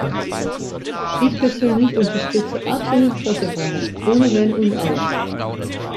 Ich persönlich unterstütze absolute Pressefreiheit ohne Wenn und Aber.